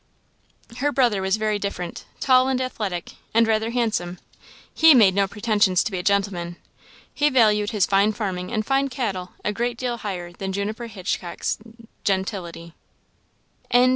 Her brother was very different; tall and athletic, and rather handsome, he made no pretensions to be a gentleman. He valued his fine farming and fine cattle a great deal higher than Juniper Hitchcock's gentility. CHAPTER XXV.